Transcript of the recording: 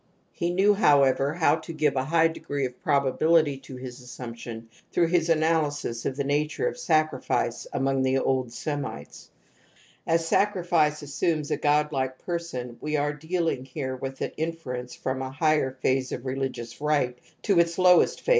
he knew, however, how to give a high degree of probability to his assimiption through his analysis of the natiu'c of sacrifice among the old Semites. As sacrifice assumes a godUke person we are dealing here with an inference from a higher phase of rehgious rite to its lowest phase in totemism.